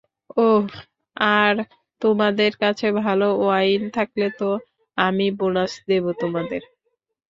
অহ, আর তোমাদের কাছে ভালো ওয়াইন থাকলে তো, আমি বোনাস দেবো তোমাদের।